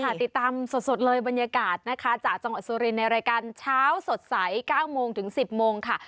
ติดตามสดเลยบรรยากาศนะคะจากจังหวัดสุรินในรายการเช้าสดใส๙โมงถึง๑๐โมงค่ะ